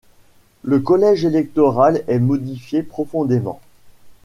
Le collège électoral est modifié profondément.